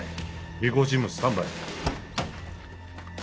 尾行チームスタンバイ。